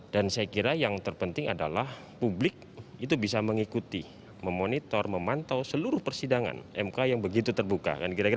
dan saya kira yang terpenting adalah publik itu bisa mengikuti memonitor memantau seluruh persidangan mk yang begitu terbuka